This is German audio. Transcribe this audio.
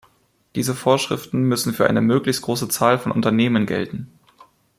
Diese Vorschriften müssen für eine möglichst große Zahl von Unternehmen gelten.